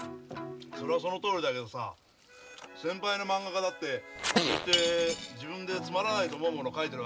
それはそのとおりだけどさ先輩のまんが家だって決して自分でつまらないと思うものを描いてるわけじゃないよ。